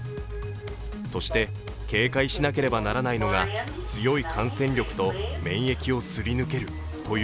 そして警戒しなければならないのが強い感染力と免疫をすり抜けるという